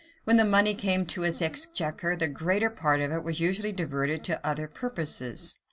When the money came into his exchequer, the greater part of it was usually diverted to other purposes.